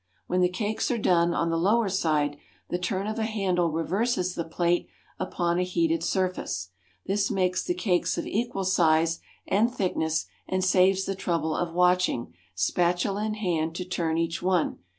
When the cakes are done on the lower side the turn of a handle reverses the plate upon a heated surface. This makes the cakes of equal size and thickness and saves the trouble of watching, spatula in hand, to turn each one.